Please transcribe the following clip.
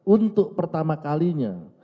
untuk pertama kalinya